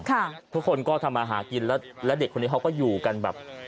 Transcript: ทุกคนก็ทำมาหากินแล้วและเด็กคนนี้เขาก็อยู่กันแบบ